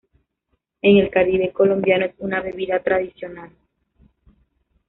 En el caribe colombiano es una bebida tradicional.